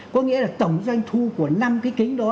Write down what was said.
có nghĩa là tổng doanh thu của năm cái kính đó